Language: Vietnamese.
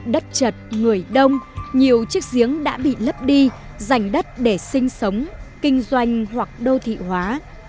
đất chật người đông nhiều chiếc giếng đã bị lấp đi dành đất để sinh sống kinh doanh hoặc đô thị hóa